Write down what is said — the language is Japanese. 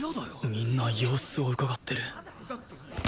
みんな様子をうかがってる